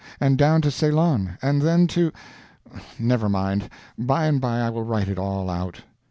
And down to Ceylon, and then to Never mind; by and by I will write it all out.